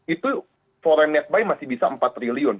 itu foreign net buy masih bisa empat triliun